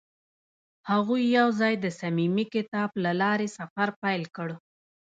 هغوی یوځای د صمیمي کتاب له لارې سفر پیل کړ.